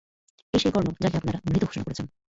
এই সেই কর্ণ যাকে আপনারা মৃত ঘোষণা করেছেন।